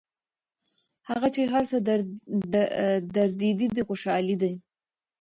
هغه چي هر څه دردېدی دی خوشحالېدی